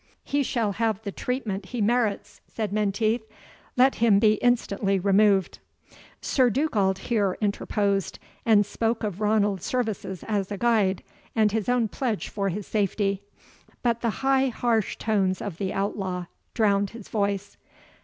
"He shall have the treatment he merits," said Menteith; "let him be instantly removed." Sir Dugald here interposed, and spoke of Ranald's services as a guide, and his own pledge for his safety; but the high harsh tones of the outlaw drowned his voice.